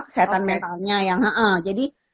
kesehatan mentalnya yang ee